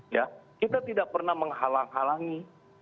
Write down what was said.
ya kita tidak pernah menghalang halangi